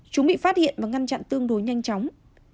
chúng bị phát hiện và ngăn chặn tương đối nhanh chóng